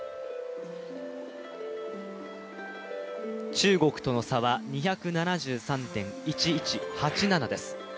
中国との差は２７３．１１８７です。